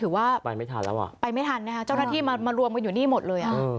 ถือว่าไปไม่ทันนะเจ้าท่านที่มารวมกันอยู่นี่หมดเลย